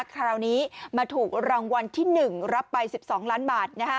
คราวนี้มาถูกรางวัลที่๑รับไป๑๒ล้านบาท